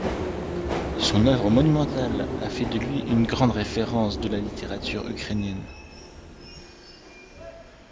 Son œuvre monumentale a fait de lui une grande référence de la littérature ukrainienne.